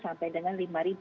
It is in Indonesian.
sampai dengan lima ribu